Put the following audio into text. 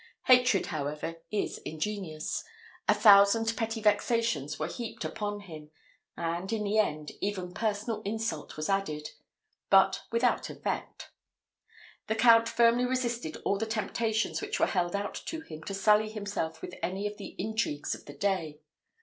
Hatred, however, is ingenious; a thousand petty vexations were heaped upon him, and, in the end, even personal insult was added, but without effect. The Count firmly resisted all the temptations which were held out to him to sully himself with any of the intrigues of the day.